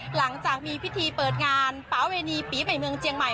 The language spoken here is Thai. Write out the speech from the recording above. หลังจากมีพิธีเปิดงานป๊าเวณีปีใหม่เมืองเจียงใหม่